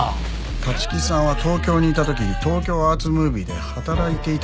「立木さんは東京にいた時東京アーツムービーで働いていたそうなんですよ」